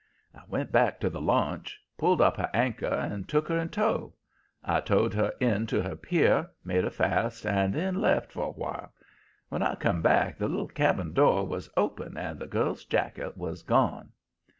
"I went back to the launch, pulled up her anchor and took her in tow. I towed her in to her pier, made her fast and then left her for a while. When I come back the little cabin door was open and the girl's jacket was gone.